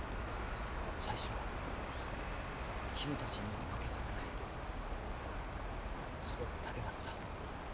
最初は君たちには負けたくないそれだけだった。